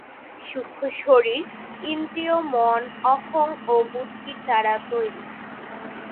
সূক্ষ্ম শরীর ইন্দ্রিয়, মন, অহং ও বুদ্ধির দ্বারা তৈরি।